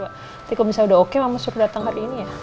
nanti kalau misalnya sudah oke mama suruh datang hari ini ya